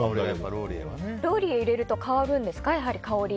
ローリエを入れると変わるんですか？